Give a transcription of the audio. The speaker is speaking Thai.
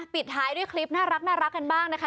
ปิดท้ายด้วยคลิปน่ารักกันบ้างนะคะ